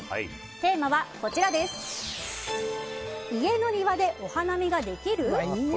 テーマは家の庭でお花見ができる？